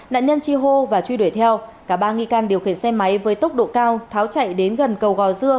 nạn nhân chi hô và truy đuổi theo cả ba nghi can điều khiển xe máy với tốc độ cao tháo chạy đến gần cầu gò dưa